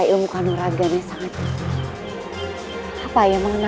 otoban mengurus bintang siapapun